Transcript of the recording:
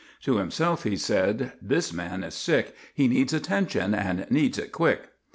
To himself he said: "This man is sick. He needs attention and needs it quick."